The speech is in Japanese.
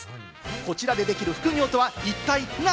こちらでできる副業とは一体何？